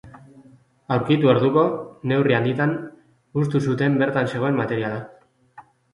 Aurkitu orduko, neurri handian, hustu zuten bertan zegoen materiala.